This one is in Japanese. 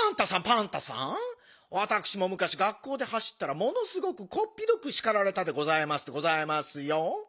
パンタさんわたくしもむかし学校ではしったらものすごくこっぴどくしかられたでございますでございますよ。